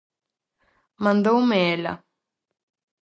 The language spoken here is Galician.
-Mandoume ela.